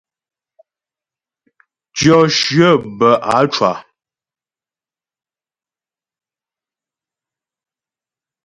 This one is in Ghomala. Tyɔ shyə bə á cwa.